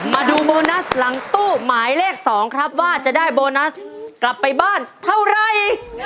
มาดูโบนัสหลังตู้หมายเลข๒ครับว่าจะได้โบนัสกลับไปบ้านเท่าไร